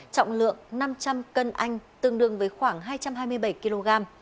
trọng lượng năm trăm linh cân anh tương đương với khoảng hai trăm hai mươi bảy kg